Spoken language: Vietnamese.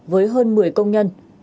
với hơn một mươi công nhân